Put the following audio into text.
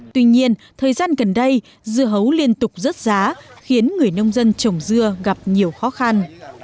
tuy nhiên thời gian gần đây dưa hấu liên tục rớt giá khiến người nông dân trồng dưa gặp nhiều khó khăn